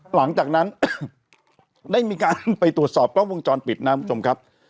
หลังจากนั้นได้มีการไปตรวจสอบกล้องวงจรปิดนะครับ